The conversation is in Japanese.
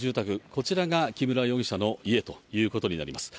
こちらが木村容疑者の家ということになります。